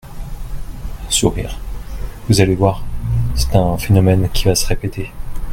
(Sourires.) Vous allez voir, c’est un phénomène qui va se répéter.